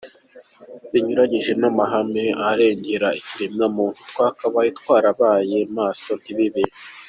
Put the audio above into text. Binyuranyije n’ amahame arengera ikiremwa muntu, twakabaye twarabaye maso ntibibe.